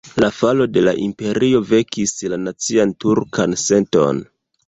La falo de la imperio vekis la nacian turkan senton.